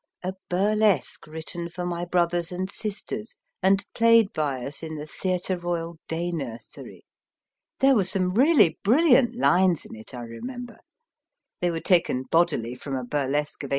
SIMS a burlesque written for my brothers and sisters, and played by us in the Theatre Royal Day Nursery. There were some really brilliant lines in it, I remember. They were taken bodily from a burlesque of H.